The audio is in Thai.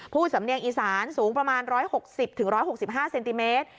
สำเนียงอีสานสูงประมาณ๑๖๐๑๖๕เซนติเมตร